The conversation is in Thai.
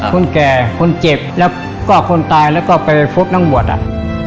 คนแก่คนเจ็บแล้วก็คนตายแล้วก็ไปพบนั่งบวชอ่ะ